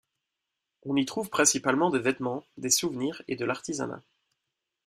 On y trouve principalement des vêtements, des souvenirs et de l'artisanat.